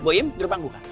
boem gerbang buka